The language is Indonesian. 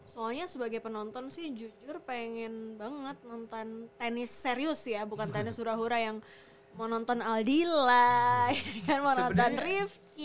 soalnya sebagai penonton sih jujur pengen banget nonton tenis serius ya bukan tenis hura hura yang mau nonton aldilai dan rifki